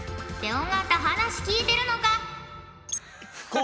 尾形話聞いてるのか？